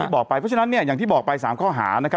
บอกไปเพราะฉะนั้นเนี่ยอย่างที่บอกไป๓ข้อหานะครับ